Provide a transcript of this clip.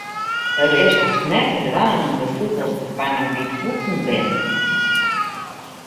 It is hast net te dwaan om de fûgels te fangen dy't bûten binne.